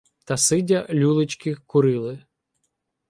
Та сидя люлечки курили